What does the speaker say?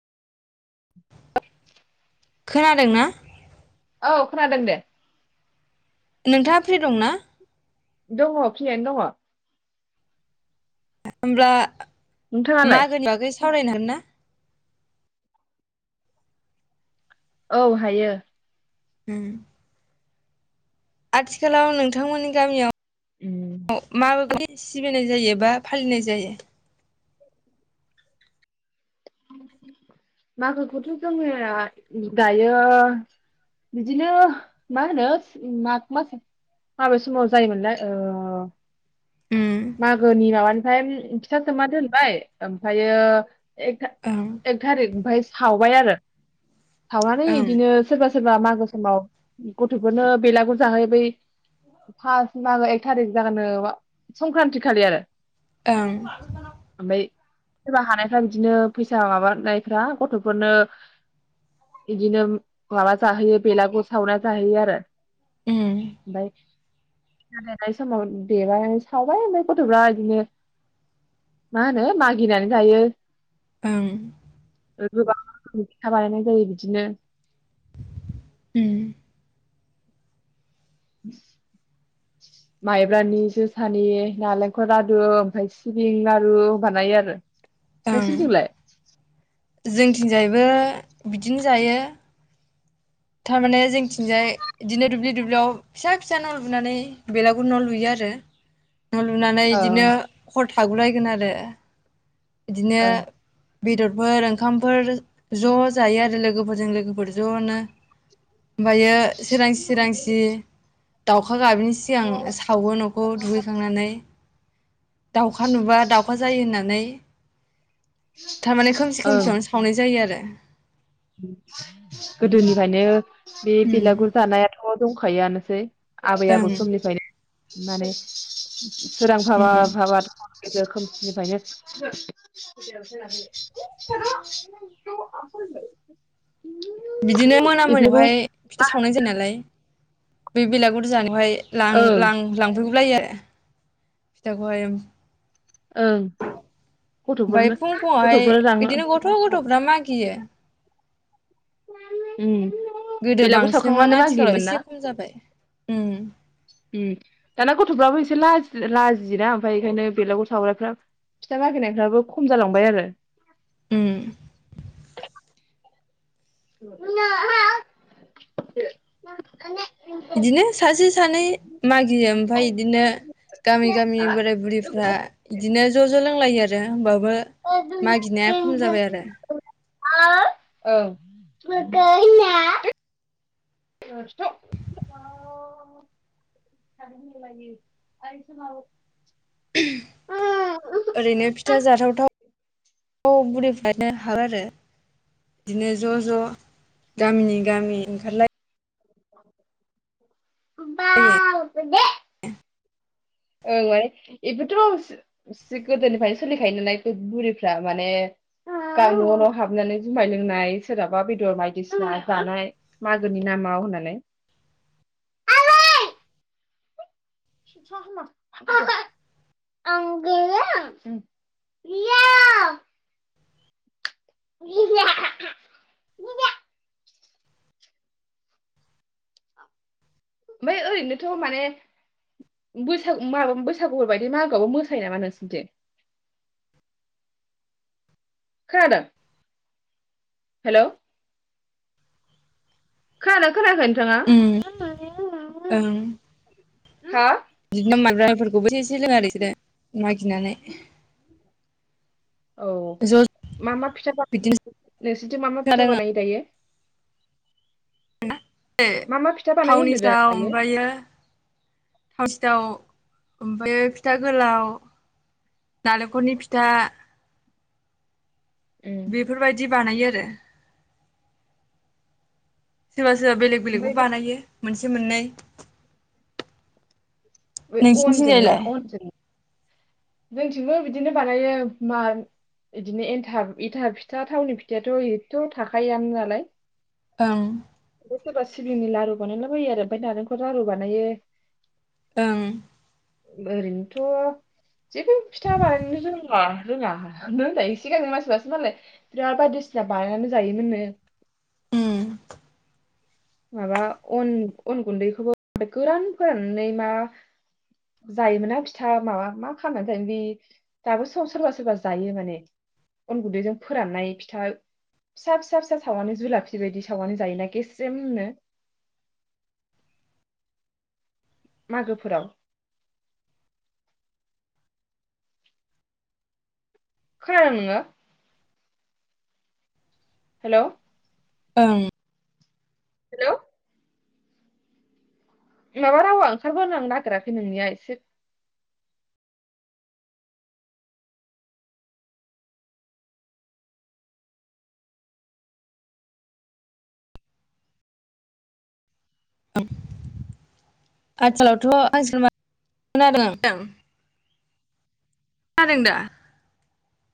खोनादों ना औ खोनादों दे नोंथाङा फ्रि दं ना दङ फ्रियानो दङ ओमब्ला नोंथाङालाय मागोनि बागै एस सावरायनो हागन ना औ हायो हम आथिखालाव नोंथांमोननि गामियाव उम अ मा बाबदि सिबिनाय जायो बा फालिनाय जायो मागोखौथ जोङो दायो बिदिनो मा होनो माग मास माबे समाव जायोमोनलाय ओ उम मागोनि माबानिफ्राय फिथा सोमना दोनबाय ओमफ्रायो एक था ओं एक थारिग फाय सावबाय आरो थावनानै ओं इदिनो सोरबा सोरबा मागो समाव ग' खौनो बेलागुर जाहै बै। फा मागो एक थारिख जागोननो मा संक्रान्ति खालि आरो ओं ओमफ्राय सोरबा हानायफ्रा बिदिनो फैसा माबानाय फ्रा गथफोरनो इदिनो माबा जाहोयो बेलागुर सावना जाहोयो आरो उम बाय फिथा देनाय समाव देबाय सावबाय ओमफ्राय गथफ्रा बिदिनो मा होनो मागिनानै जायो। ओं गोबां रोखोमनि फिथा बानायनाय जायो बिदिनो उम माइब्रानि जोसानि नालेंखल लादु ओमफ्राय सिबिं लारु बानायो आरो ओं नोंसोरनिथिंलाय जोंथिंजायबो बिदिनो जायो थारमाने जोंथिंजाय इदिनो दुब्लि दुब बेयाव फिसा फिसा न लुनानै बेलागुर न लुयो आरो न लुनानै ओं बिदिनो हर थागुलायगोन आरो बिदिनो ओं बेदरफोर ओंखामफोर ज' जायो आरो लोगोफोरजों लोगोफोर ज'नो ओमफायो सोरां सोरांसि दाउ उखा गाबिनि सिगां सावो नखौ दुगैखांनानै दाउखा नुबा दाउखा जायो होननानै थारमाने खोमसि खोमसियावनो सावनाय जायो आरो गोदोनिफायनो बे उम बिलागुर जानायाथ' दंखा खायोआनोसै आबै ओं आबौ समनिफ्रायनो माने [unintelligible] सोरां उम [unintelligible] जोखोमनिफ्रायनो [unintelligible] [inaudible] बिदिनो मोना बेफोरखौ मोनायावहाय फिथा सावनाय जायो नालाय बे बेलागुर जानायावहाय ओं लां-लां-लांफैगुलायो आरो फिथाखौहाय ओं ओमफाय गथ'फोरनो फुं फुङावहाय गथ'फोर रां इदिनो गथ' गथ'फ्रा मागियो उम गोदो बेलागुर बांसिनमोन सावखांनो आथिखालाव मागियोमोन ना एसे खम जाबाय उम दाना गथ'फ्राबो एस एसे लाजि-लाजियोदा आमफाय ओंखायनो बेलागुर सावनायफ्रा फिथा मागिनायफ्राबो खम जालांबाय आरो उम [unintelligible] बिदिनो सासे सानै मागियो आमफाय इदिनो गामि गामि बोराय बुरिफ्रा बिदिनो ज' ज' लोंलायो आरो होनबा बो आरो मागिनाया खम जाबाय आरो [unintelligible] [unintelligible] ओं ओं ज बुरिफ्रानो हाबो आरो बिदिनो ज' ज' गामिनि गामि ओंखारलाय [inaudible] [unintelligible] [unintelligible] ओंलाय इबोथ एसे गोदोनिफ्रायनो सोलिखायो नालाय बुरिफ्रा माने गा न' न' हाबनानै जुमाय लोंनाय सोरहाबा बेदर बायदिसिना जानाय मागोनि नामाव होननानै [unintelligible] [unintelligible] तणं ओमफफ्राय ओरैनोथ' माने बैसागु माबा बैसागु बायदि मागोआवबो मोसायो नामा नोंसोरनिथिं खोनादों? हेल' खोनादों? खोनायाखै नोंथाङा उम ओं हा बिदिनो माने राइफोरखौबो एसे‌ एसे लोङो आरो बिसोरो मागिनानै औ ज' मा मा फिथा बानायो बिदिनो नोंसोरनिथिं मा मा फिथा खोनादों बानायो दायो? मा मा फिथा [unintelligible] बानायो थावनि होनदो दा थाव दायो ओमफ्रायो थाव सिथाव ओमफ्राय फिथा गोलाव नालेंखलनि फिथा उम बेफोरबायदि बानायो आरो सोरबा सोरबा बेलेग बेलेगबो ओमफ्राय बे बानायो मोनसे मोननै बे नसिनि थिं अनजों जाय ना लाय? अनजों जोंथिंबो बिदिनो बानायो मा बिदिनोथ इथा फिथा थावनि फिथायाथ' एथ' थाखायोआनो नालाय ओं ओमफ्राय सोरबा सिबिंनि लारु बानायला बायो आरो ओमफ्राय नारेंखर लारु बानायो ओं ओरैनोथ' जेबो फिथा बानायनो रोंला रोङानो होनबाय सिगांनो मानसिबासो मालाय बिराद बायदिसिना बानायनानै जायोमोननो उम माबा अन अन गुन्दैखौबो गोरान फोराननानै मा जायोमोन ना फिथा माबा मा खालामनानै थायोन बे दाबो सम सोरबा सोरबा जायो माने अन गुन्दैजों फोराननाय फिथा फिसा फिसा फिसा सावनानै जुलाफि बायदि सावनानै जायोना गेस स्रेमनो मागोफोराव खोनादों नोङो हेल' ओं हेल' माबा रावा ओंखारबोनो नागेराखै नोंनिया एसे आथिखालावथ' [unintelligible] खोनादो नोंथां [unintelligible] दा